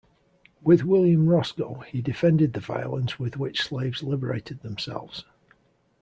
With William Roscoe, he defended the violence with which slaves liberated themselves.